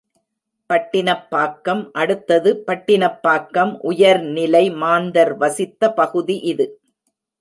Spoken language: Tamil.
பட்டினப் பாக்கம் அடுத்தது பட்டினப்பாக்கம் உயர்நிலை மாந்தர் வசித்த பகுதி இது.